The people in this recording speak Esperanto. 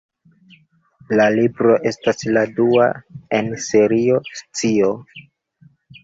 La libro estas la dua en Serio Scio.